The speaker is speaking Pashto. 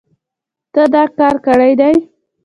تا دا کار کړی دی